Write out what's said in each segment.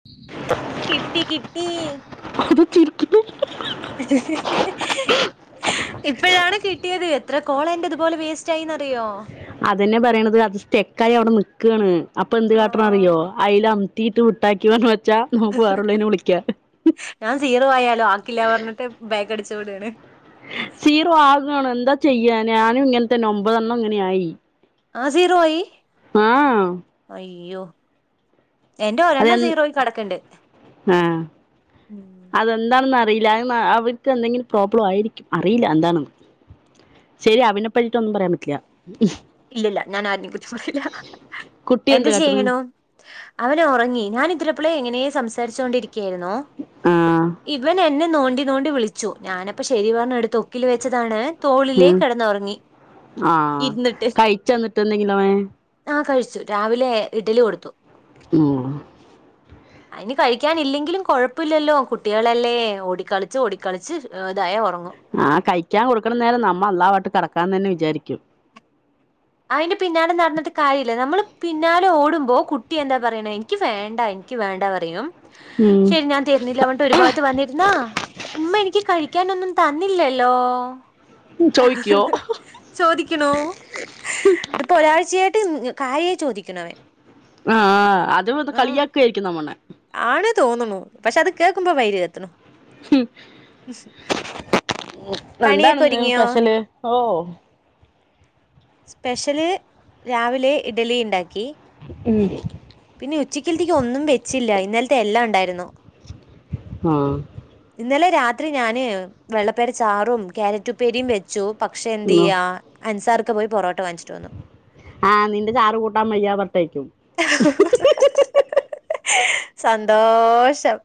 [inaudible] Tea [unintelligible] ഇപ്പഴാണ് കി ട്ട്യേത് എത്ര കോളെന്റെതു പോലെ വേസ്റ്റായിന്നറിയോ അതെന്നെ പറയണത് അത് സ്റ്റെക്കായി അവിടെ നിക്കാണ് അപ്പൊ എന്ത് ആ കാട്ടണം അറിയോ അയ്ല [unintelligible] ഞാൻ സീറോ ആയാലോ ആക്കില്ലാ പറഞ്ഞിട്ട് ബേക്കടിച്ച് വിടാണ് സീറോ ആകാണ് എന്താ ചെയ്യാ ഞാനും ഇങ്ങൻത്തെന്നെ ഒമ്പതെണ്ണം ഇങ്ങനെയായി ആ സീറോ ആയി ആ അയ്യോ എന്റെ അതെ ഒരെണ്ണം സീറോയി കെടക്ക്ണ്ട് അതെന്താണെന്നറിയില്ല അവർക്ക് എന്തെങ്കിലും പ്രോബ്ലം ആയിരിക്കും അറിയില്ല എന്താണെന്ന് ശെരി അവനെപ്പറ്റിട്ടൊന്നും പറയാൻ പറ്റില്ല ഇല്ലല്ല ഞാൻ ആരേം കുറിച്ച് പറീല കുട്ടി എന്ത് കാട്ടണ് ചെയ്യണു അവനൊറങ്ങി ഞാനിത്ര പിളേ ഇങ്ങനേ സംസാരിച്ചോണ്ടിരിക്കേരുന്നോ ആഹ് ഇവൻ എന്നേ നോണ്ടി ഞ്ഞോണ്ടി വിളിച്ചു ഞാനപ്പശരി പറഞ്ഞ് എടുത്ത് ഒക്കില് വെച്ചതാണ് തോളിലേ ഉം കിടന്നുറങ്ങി ഇരുന്നിട്ട് ചെന്നിട്ട് എന്തെങ്കിലോ വേ ആ കഴിച്ചു രാവിലെ ഇഡലി കൊടുത്തു ഉം അയിന് കഴിക്കൻ ഇല്ലെങ്കിലും കൊഴപ്പില്ലല്ലോ കുട്ടികളല്ലേ ഓടിക്കളിച്ച് ഓടിക്കളിച്ച് ഇതായെ ഒറങ്ങു ആ കഴിക്കാൻ കൊടുക്കണ നേരം നമ്മ അള്ളാവാട്ട് കെടക്കാന്നന്നെ വിചാരിക്കും അതിന്റെ പിന്നാലെ നടന്നിട്ട് കാര്യമില്ല നമ്മൾ പിന്നാലെ ഓടുമ്പോ കുട്ടി എന്താ പറയണേ എനിക്ക് ഭേണ്ട എനിക്ക് വേണ്ടാ പറയും ഉം ശരി ഞാൻ തെരുന്നില്ല പൺട്ട് ഒരുപാത്ത് വന്നിരുന്നാ ഉമ്മ എനിക്ക് കഴി ക്കാനൊന്നും തന്നില്ലല്ലോ ചോയ്ക്കോ ചോദിക്കണോ ഇതിപ്പോ ഒരാഴ്ചയായിട്ട് കായേ ചോദിക്കണവേ ആ അത് ഇത് കളിയാക്കയായിരിക്കും നമ്മണ്ണെ ആണ് തോന്നുമോ പക്ഷെ അത് കേൾക്കുമ്പം വൈര് കത്തണ് ഉം പണിയൊക്കെ എന്താണന്ന് ഒരുങ്ങിയോ പെഷല് ഓ സ്പെഷ്യല് രാവിലെ ഇഡ്ലി ഇണ്ടാക്കി ഉം പിന്നെ ഉച്ചക്കിൽത്തേക്ക് ഒന്നും വെച്ചില്ല ഇന്നലത്തെ എല്ലാം ഉണ്ടായിരുന്നു ആ ഇന്നലെ രാത്രി ഞാന് വെള്ളപ്പേര ചാറും ക്യാരറ്റുപ്പേരിയും വെച്ചു പക്ഷെ ഉം എന്തെയ്യാ അൻസാർ ഒക്കെ പോയി പൊറോട്ട വാങ്ങിച്ചിട്ട് വന്നു ആ നിന്റെ ചാറ് കൂട്ടാൻ വയ്യാ പർത്തേക്കും സന്തോഷം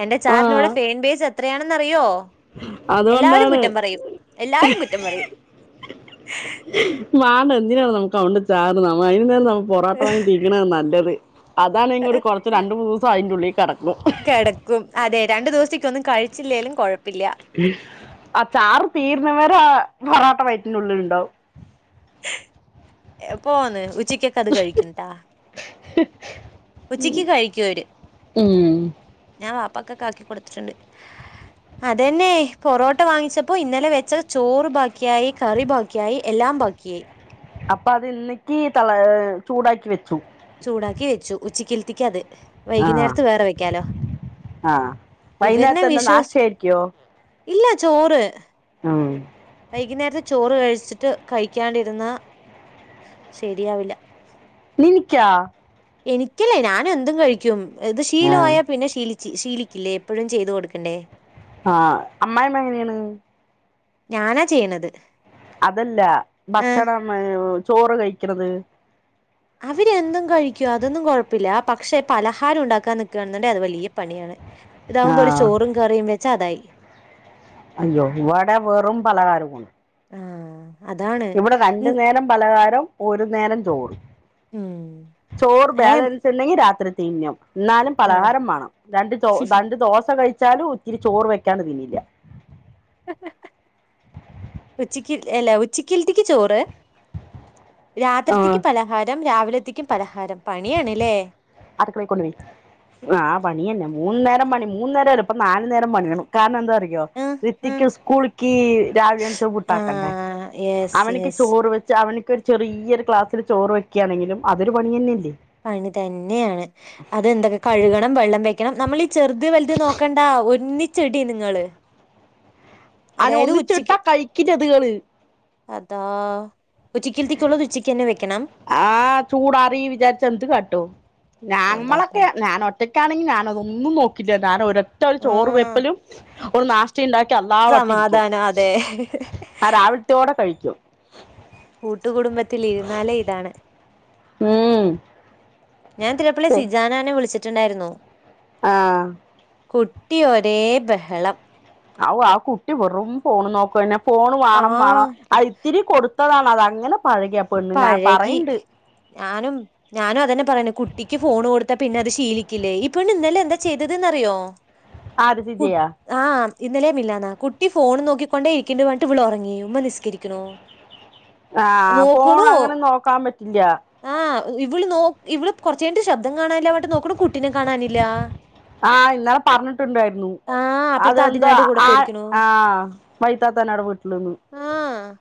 എന്റെ ആ ചാറിനോട് ഫേൻ ബേജ് എത്രയാണെന്നറിയോ എല്ലാവരും അതുകൊണ്ടാണ് കുറ്റം പറയും എല്ലാരും കുറ്റം പറയും വാ എന്തിനാണ് നമുക്ക് അതോണ്ട് ചാറ് നന്നായിരിന്നേൽ നമ്മക്ക് പൊറട്ട വാങ്ങി തീരിണേ നല്ലത് അതാണ് ഇങ്ങളോട് കൊറച്ച് രണ്ട് മൂന്നോസം അയിൻ്റുള്ളിൽ കെടക്കും വെച്ചിലേലും കൊഴ് ആ ചാറ് തീരുന്നവരാ ആ പൊറാട്ട വയറ്റിനുള്ളിൽ ഇണ്ടാവും എപ്പോവന്ന് ഉച്ചയ്ക്കക്ക അത് കഴിക്കും ട്ടാ ഉച്ചക്ക് കഴിക്കു അവര് ഉം ഞാൻ വാപ്പക്കക്ക ആക്കി കൊടുത്തിട്ടുണ്ട് അതന്നെ പൊറോട്ട വാങ്ങിച്ചപ്പോ ഇന്നലെ വെച്ച ചോറ് ബാക്കിയായി കറി ബാക്കിയായി എല്ലാം ബാക്കിയായി അപ്പൊ അത് ഇന്നക്കി തെള ചൂടാക്കി വെച്ചു ചൂടാക്കി വെച്ചു ഉച്ചക്കിൽത്തിക്ക് അത് ആഹ് വൈകുന്നേരത്ത് വേറെ വെക്കാലോ ആഹ് ഇവരന്നാ വൈകുന്നേരത്തെ എന്താ വിശ്വസി നാഷ്ടയായിരിക്കോ ഇല്ലാ ചോറ് ഉം വൈകുന്നേരത്തെ ചോറ് കഴി വച്ചിട്ട് കഴിക്കാണ്ടിരുന്ന ശരിയാവില്ല നിനിക്കാ എനിക്കല്ലേ ഞാനെന്തും കഴിക്കും ഇത് ആഹ് ശീലമായ പിന്നെ ശീലിക്കും ശീലിക്കില്ലേ എപ്പോഴും ചെയ്തു കൊടുക്കണ്ടേ ആഹ അമ്മായ അമ്മ എങ്ങനെയാണ് ഞാനാ ചെയ്യണത് അതല്ല ഏഹ് ഭക്ഷണം ചോറ് കഴിക്കണത് അവരെന്തും കഴിക്കുംഅതൊന്നും കുഴപ്പില്ല പക്ഷെ പലഹാരം ഉണ്ടാക്കാൻ നിക്കാണെന്നുണ്ടേ അത് വലിയ പണിയാണ് പണിയാണ് ഇതാകുമ്പോ ഒരു ആഹ് ചോറും കറിയും വെച്ചാ അതായി അയ്യോ ഇവിടെ വെറും പലകാരമാണ് ആഹ് അതാണ് ഇവിടെ രണ്ടു ഉം നേരം പലകാരം ഒരു നേരം ചോറും ഉം ചോറ് ഏഹ് ബാലൻസ് ഉണ്ടെങ്കി രാത്രി തിന്നും എന്നാലും ആഹ് പലഹാരം വേണം രണ്ട രണ്ട് ദോശ കഴിച്ച് വച്ചാലും ഒത്തിരി ചോറ് വെക്കാണ്ട് തിന്നില്ല ഉച്ചക്ക് അല്ല ഉച്ചക്കത്തേൽക്ക് ചോറ് ആഹ് രാത്രിയത്തേക്ക് പലഹാരം രാവിലത്തേക്കും പലഹാരം പണിയാണല്ലേ അടക്കളേ കൊണ്ടു വൈ ആഹ് പണിയന്നെ മൂന്ന്നേരം പണി മൂന്ന നേരമല്ല ഇപ്പൊ നാലുനേരം പണി വേണം കാരണം എന്താ ട്ടോ ആഹ് ആഹ് ഋത്തിക്ക് സ്കൂൾക്ക് രാവില എണീച്ച ഫുഡാക്കണ്ടെ ആഹ് യെസ് അവനിക്ക് യെസ് ചോറ് വെച്ച് അവനക്ക് ഒരു ചെറിയൊരു ക്ലാസ്സില് ചോറ് വെക്കുയാണെങ്കിലും അതൊരു പണി തന്നെയല്ലേ പണി തന്നെയാണ് അതെന്തറിയോ കഴുകണം വെള്ളം ണം നമ്മൾ ഈ ചെറുത് വലുത് നോക്കണ്ട ഒന്നിച്ചെടി നിങ്ങള് അതിന് അതായത് ഉച്ചക്ക് ഒന്നിച്ചിട്ടാ കഴിക്കില്ലത്ങ്ങള് അതാ ഉച്ചക്ക്ൽത്തേക്കുള്ളത് ഉച്ചക്ക് തന്നെ വെക്ക ആഹ ചൂടാറി വിചാരിച്ച എന്ത് കാട്ടും എന്താ ഞാമ്മളൊക്കെ ഞാൻ ഒറ്റക്ക് ഞാനെറ്റക്കാണെങ്കിൽ ഞാനതൊന്നും നോക്കിട്ടില്ല ഞാൻ ഒരറ്റ ഒരു ചോറ് ആഹ് വെപ്പലും നാം ഉണ്ടാക്കി അളളാ വട്ടിരിക്കും സമാധാനം അതെ ആ രാവിലത്തോടെ കഴിക്കും കൂട്ടുകുടുംബത്തിൽ ഇരുന്നാലേ ഇതാണ് ഉം ഞാൻ തിരപ്പളി സിജാന എന്നെ വിളിച്ചിട്ടുണ്ടായിരുന്നു ആഹ കുട്ടി ഒരേ ബഹളം ആ കുട്ടി വെറും ഫോൺ നോക്കന്നെ ഫോൺ ആ വേണം വേണം അത് ഇത്തിരി കൊടുത്തതാണ് താങ്ങന പ്പന്ന് ഞാൻ പഴകി പറയണ്ട് ഞാനും ഞാനും അതന്നെ പറയെ കുട്ടിക്ക് ഫോൺ കൊടുത്താ പിന്നെ അത് ശീലിക്കില്ലേ ഇപ്പൊ ഇന്നലെ എന്താ ചെയ്തതന്നറിയോ ആര് സിജയാ ഇന്നലെയ മിനി ഞാന്നാ കുട്ടി ഫോണ് നോക്കിയിരിക്ക്ണ്ട പറഞ്ഞ് ഇവള് ഉറങ്ങി ഉമ്മ നിസ്കരിക്കുന്നു ആഹ് ഫോൺ അങ്ങനെ നോക്കാൻ പറ്റില്ല ആ ഇവള് നോ ഇവള് കുറച്ച കഴിഞ്ഞിട്ട് ശബ്ദം കാണാനില്ല പറഞ്ഞിട്ട് നോക്കുണു കുട്ടിനെ കാണാനില്ല ആഹ് ഇന്നലെ പറഞ്ഞിട്ടുണ്ടായിരുന്നു ആ അത അപ്പുറത്തെ എന്തോ അതിനാന്റെ കൂടെ ആ പോയിരിക്കണു ആഹ് വൈത്താത്ത വീട്ടില് ന് ആ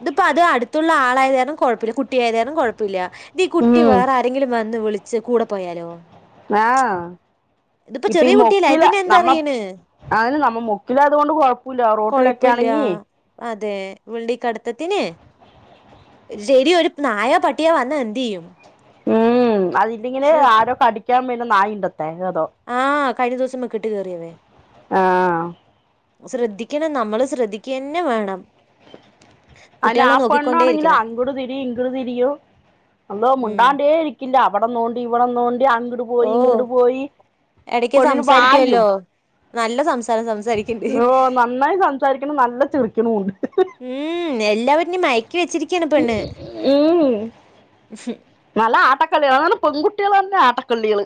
ഇതിപ്പോ അത് അടുത്തുള്ള ആളായതു കാരണംകുഴപ്പില്ല ഇത് ഈ കുട്ടി ഉം വേറെ ആരെങ്കിലും വന്ന ന്ന് വിളിച്ച് കൂടെ പോയാലോ ആഹ ഇതിപ്പോ ഇപ്പൊ ഈ ചെറിയ കുട്ടിയല്ലേ മൊക്കില അതിന് എന്താ നമ്മ അറിയണ് അതിന് നമ്മ മുക്കില അതുകൊണ്ട് കൊഴപ്പില്ല റോട്ടിലൊക്കെ കൊഴപ്പില്ല ആണെങ്കി അതെ ഇവളെ ഇക്കടുത്തത്തിനെ ശരി ഒരു നായ പട്ടിയാ വന്നാ എന്ത് ചെയ്യും ഉം അതില്ലെങ്ങനെ ശ്രദ്ധി ആരോ കടിക്കാൻ വല നായ ഉണ്ടത്തെെ ഏതോ ആഹ് കഴിഞ്ഞ ദിവസംൊക്കെട്ട് കയറിയവേ ആഹ ശ്രദ്ധിക്കണം നമ്മള് ശ്രദ്ധിക്കന്നെ വേണം അെ കുട്ടികളെ ആ നോക്കിക്കൊണ്ടേ പെണ്ണാണെങ്കിലും ഇരിക്കണം അങ്ങോട്ട തിരി ഇങ്ങോട്ട തിരിയും അന്തോ ഉം മുിണ്ടാണ്ടേ ഇരിക്കില്ല അവിടെ തോണ്ടി ഇവിടെ തോണ്ടി അങ്ങിട്ട പോയി ഓ ഇങ്ങിട്ട പോയി ഇടക്ക് പൊണ്ണിന് വായും സംസാരിക്കുവല്ലോ നല്ല സം ഓ നന്നായി സംസാരിക്കണം നല്ല ചെളിക്കണുണ്ട് ഉം എല്ലാവരനും മയക്കി വെച്ചിരിക്കയാണ് പെണ്ണ് ഉം നല്ല ആട്ടക്കളികൾ അാണ് പെൺകുട്ടികൾ തന്നെ ആട്ടക്കള്ളികള്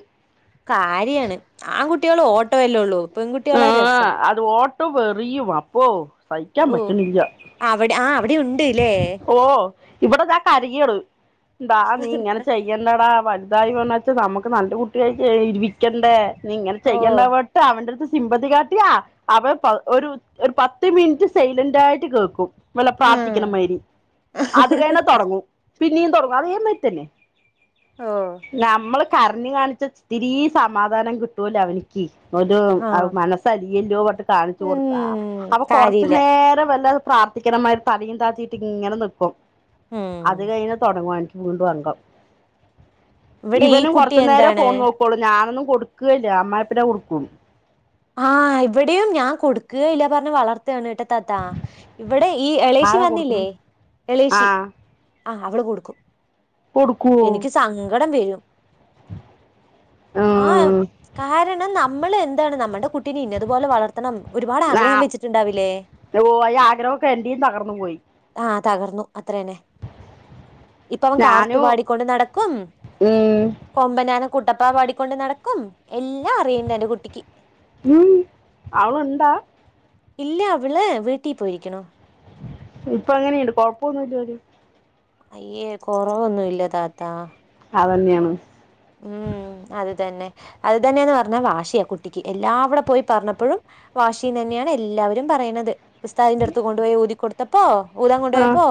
കാര്യാണ് ആൺകുട്ടികൾ ഓട്ടോയല്ലേ ഉള്ളൂ പെൺകുട്ടികളാ ആ രസം അത് ഓട്ടോ വറിയും അപ്പൊ സഹിക്കാൻ ഓ പറ്റണില്ല അവിടെ ആ അവിടെ ഉണ്ട്ല്ലേ ഇവിടെതാ കരികള്ു എന്താ നീ ഇങ്ങനെ ചെയ്യേണ്ടടാ വ [unintelligible] ഇങ്ങനെ ഓ ചെയ്യേണ്ടാവട്ടെ അവൻന്റെടുത്ത് സിമ്പതി കാട്ടിയാ അവ ഒരു ഒരു പത്ത് മിൻറ്റ് സൈലന്റായിട്ട് കേക്കും വല്ല ഉം പ്രാർത്ഥിക്കണമാരി അത് കയ്ഞ്ഞ തൊടങ്ങും പിന്നിം തൊടങ്ങും അതേ മാരിത്തെന്നെ ഓ നമ്മള് കരഞ് കാണിച്ച ഇത്തിരി സമാധാനം കിട്ടൂലോ അവനിക്ക് ആ അത് മനസ്സലിയല്ലോ പട്ട് കാണിച്ചു കൊടുത്താ ഉം അപ്പൊ കൊർച്ച് കാര്യല്ല നേരം വല്ല പ്രാർത്ഥിക്ക്ണമാരി തലേം താത്തിട്ട് ങ്ങനെ നിക്കും ഉം അത് കഴിഞ് തൊടങ്ങുവൻ വീണ്ടും അങ്കം ഇവിടെ ഈ ഇവനും കുട്ടി കൊർച്ച് നേരെ എന്താണ് ഫോൺ നോക്കൊള്ളൂ ഞാനൊന്നും കൊടുക്കേ ല്ല അമ്മായിപ്പന കൊടുക്കൂ ആ ഇവടിം ഞാൻ കൊടുക്കേല്ല പർഞ്ഞ് വളർ ത്താണ് ഇത്താത്താ ഇവിടെ ഈ എളേശി ആരാ കൊടുക്കണു വന്നില്ലേ ആ എളേശി ആ അവള് കൊടുക്കും കൊടുക്കുവോ എനിക്ക് സങ്കടം വരും ആഹ് ഉം കാരണം നമ്മള് എന്താണ് നമ്മ കുട്ടീനെ ഇന്നതുപോലെ വളർത്തണം ഒരുപാട് ആ ആഗ്രഹം വച്ചിട്ടുണ്ടാവില്ലേ ഓ ആഗ്രഹൊക്കെ എന്റെയും തകർന്ന് പോയി അത്ര തന്നെ ഇപ്പം അവൻ കാർത്തു ഞാനും പാടിക്കൊണ്ട് നടക്കും ഉം കൊമ്പനാന കുട്ടപ്പാ പാടിക്കൊണ്ട് നടക്കും എല്ലാം അറിയാം ഇന്ന് എന്റെ കുട്ടിക്ക് ഉം അവളുണ്ടാ ഇല്ല അവള് വീട്ടിൽ പോയിരിക്കണു ഇപ്പൊ എങ്ങനെയുണ്ട് കൊഴപ്പവൊന്നും ഇല്ല പോലും അയ്യേ കൊറവൊന്നും ഇല്ല താത്താ അതന്നെയാണ് ഉം അത് അത് തന്നെ അത് തന്നെയെന്ന് പറഞ്ഞാ വാശിയാ കുട്ടിക്ക് എല്ലാവിടെ പോയി പറഞ്ഞപ്പോഴും വാശിയെന്ന് തന്നെയാണ് എ എല്ലാവരും പറയണത് ഉസ്താദിന്റെ അടുത്ത് കൊണ്ടുപോയി ഊതിക്കൊടുത്തപ്പോ ഊതാൻ കൊണ്ടു ആ പോയപ്പോ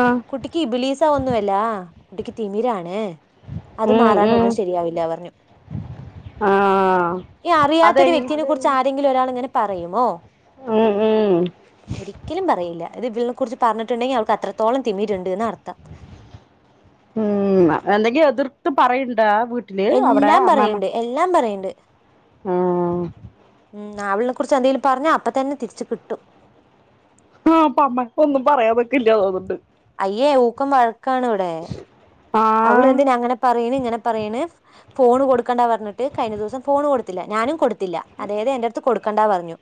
ആ കുട്ടിക്ക് ഇബിലീസ ഒന്നുമല്ലാ കുട്ടിക്ക് തിമിരാണ് അത് ഉം മാറാണ്ട് ഉം ഒന്നും ശരിയാവില്ല പറഞ്ഞു ആ ഈ അറിയാത്ത ഒരു അതെങ്ങ വ്യക്തിനെ കുറിച്ച് ആരെ ങ്കിലും ഒരാളിങ്ങനെ പറയുമോ ഉം ഉം ഒരിക്കലും പറയില്ല അത് ഇവിളിനെ കുറിച്ച് പറഞ്ഞിട്ടുണ്ടെങ്കിൽ അവൾക്ക് അത്രത്തോളം തിമിരുണ്ടെന്ന് അർത്ഥം ഉം എന്തെങ്കിലും എതിർത്ത് പറ യണ്ട വീട്ടില് അവിടെ എല്ലാം അമ്മാമ്മ പറയണ്ട് എല്ലാം പറയണ്ട് ആഹ് ആ അവളിനെ കുറിച്ച് എന്തെങ്കിലും പറഞ്ഞ അപ്പ തന്നെ തിരിച്ച് കിട്ടും ആഹ് അപ്പോ അമ്മ ഒന്നും പറയാൻ നിക്കില്ല തോന്നുണ്ട് അയ്യേ ഊക്കൻ വഴക്കാണവിടെ ആ അവള് എന്തിനാ അങ്ങനെ പറയ്ണ് ഇങ്ങനെ പറയ്ണ് ഫോണ് കൊടുക്കണ്ടാ പറഞ്ഞിട്ട് കഴിഞ്ഞ ദിവസം ഫോണ് കൊടുത്തില്ല ഞാനും കൊടുത്തില്ല അതായത് എന്റെടുത്ത് കൊടുക്കണ്ടാ പറഞ്ഞു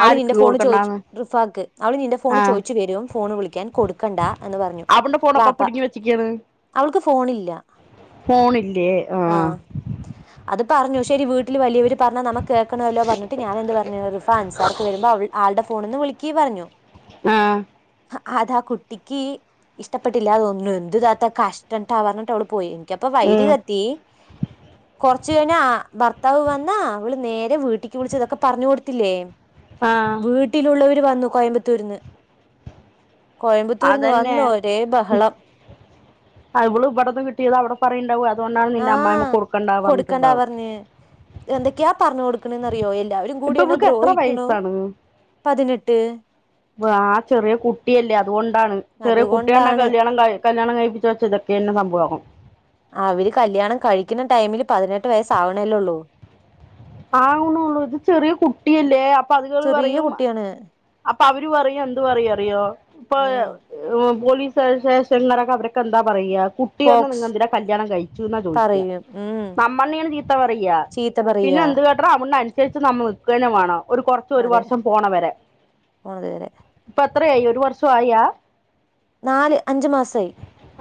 അവള് ആർക്ക് ഇന്റെ ഫോണ് ചോയിച്ച് കൊടുക്കണ്ടാന്ന് റിഫാക്ക് അവള് നിന്റെ ഫോണ് ആ ചോയിച്ച് വരും ഫോണ് വിളിക്കാൻ കൊടുക്കണ്ട എന്ന് പറഞ്ഞു ഫോണപ്പ പിടുങ്ങി വച്ചിക്കാണ് ഫോണില്ലാ ആ ആഹ് അത് പറഞ്ഞു ശരി വീട്ടില് വലിയവര് പറഞ്ഞാ നമ്മ കേക്കണല്ലോ പറഞ്ഞിട്ട് ഞാനെന്ത് പറഞ്ഞ് റിഫാൻ സാർക്ക് വരുമ്പോ അവൾ ആൾടെ ഫോണ്ന്ന് വിളിക്കീ പറഞ്ഞു. ആഹ് അതാ കുട്ടിക്ക് ഇഷ്ടപ്പെട്ടില്ല തോന്ന്ണു എന്ത് താത്ത കഷ്ടം ട്ടാ പറഞ്ഞിട്ട് അവള് പോയി എനി എനിക്കപ്പൊ വൈര് ഉം, കത്തി കൊർ ച്ച് കയിഞ്ഞാ ഭർത്താവ് വന്നാ അവള് നേരെ വീട്ടിക്ക് വിളിച്ച്തൊക്കെ പറഞ്ഞു കൊടുത്തില്ലേ ആ വീട്ടിലുള്ളവര് വന്നു കോയമ്പത്തൂര്ന്ന് കോയമ്പത്തൂര്ന്ന് അതന്നെ വന്നു ഒരേ ബഹളം അത് ഇവള് ഇവിടുന്ന് കിട്ടിയത് അവടെ പറയുണ്ടാവും അത് ആഹ കൊട്ക്കണ്ടാ പറഞ് എന്തൊക്യാ പറഞ് കൊട്ക്ക്‌ണ്ന്നറിയോ എല്ലാവരും കൂടി ഇപ്പൊ എന്നെ ഇവൾക്ക് എത്ര ദ്രോഹിക്കുണു വയസ്സാണ് പതിനെട്ട് വാ ചെറിയ കുട്ടിയല്ലേ അതുകൊണ്ടാണ് ചെറിയ കുട്ട്യെണെ അതുകൊണ്ടാണ് കല്യാണം കായ കല്യാണം കഴിപ്പിച് വെച്ചഇതൊക്കെ തന്നെ സംഭവം അവ്ര് കല്ല്യാണം കഴിക്കുന്ന ടൈമില് പതിനെട്ട് വയസ്സാവണെല്ലൊള്ളൂ ആവുണൊള്ളൂ ഇത് ചെറിയ കുട്ടിയല്ലേ അപ്പഅത്കള് ചെറിയ പറയും കുട്ടിയാണ് അ പ്പ അവര് പറയും എന്ത് പറയറിയോ ഇപ്പ ഉം പോലീസ് [unintelligible] സ്റ്റേഷനിലുള്ളോരൊക്കെ അവരൊക്കെന്താ പറയ്യാ കുട്ടിയേൾണെ പോക്സ് നിങ്ങെന്തിനാ കല്യാണം കഴിച്ചുന്നാ ചോയ്ക്യാ പറയും ഉം ന്നമ്മണ്ണേണ് ചീത്തപറയ്യാ ചീത്ത പറയാ പിന്നെന്ത് കാട്ടണം അവൾനെ അനുസരിച്ച് നമ്മൾ നിൽക്കന്നെ വേണം ഒരു കൊറച്ച് ഒരു അതെ വർഷം പോണവരെ പോണത് വരെ പ്പ എത്രയായി ഒരു വർഷൊആയാ നാല് അഞ്ച്മാസായി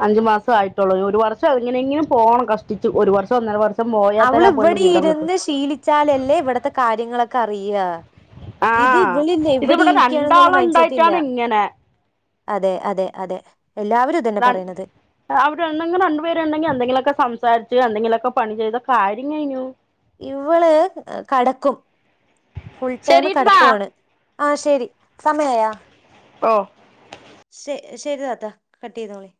അഞ്ച് മാസ ആയിട്ടുള്ളൂ ഒരു വർഷം എങ്ങനെങ്കിലും പോണം കഷ്ട്ടിച്ച് ഒരു വർഷം ഒന്നര വർഷം പോയാൽ തന്നെ അവ്ള് ആ പെണ്ണ് ഇവിടെ വിവരം കിട്ടും ഇരുന്ന് ശീലിച്ചാലല്ലേ ഇവടത്തെ കാര്യങ്ങളൊക്കെ അറിയ ആ ഇത് ഇവ്ളില്ലേ ഇവിടെ ഇതിവിടെ ഇരിക്കണന്നുള്ള മൈൻ സെറ്റ് ഇല്ല രണ്ടാളുണ്ടായിട്ടാണ് ഇങ്ങനെ അതെ അതെ അതെ എല്ലാവരും ഇതന്നെ നട് പറയണത് അവ്ടെണ്ടെങ്കി രണ്ടു പേര്ണ്ടെങ്കി എന്തെങ്കിലൊക്കെ സംസാരി ച്ച് എന്തെങ്കിലൊക്കെ പണി ചെയ്ത കാര്യം കയ്ഞ്ഞു ഇവള് കടക്കും ഫുൾടൈം ശരിട്ടാ കടത്തോണ് ആഹ ശരി സമയായാ ഓഹ് ശേ ശരിതാത്താ കട്ടെയ്തോളി